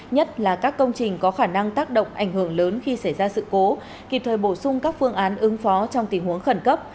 nhất là các công trình có khả năng tác động ảnh hưởng lớn khi xảy ra sự cố kịp thời bổ sung các phương án ứng phó trong tình huống khẩn cấp